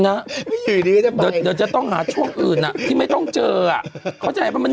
เดี๋ยวเดี๋ยวจะต้องหาช่วงอื่นอ่ะที่ไม่ต้องเจออ่ะเข้าใจว่ามัน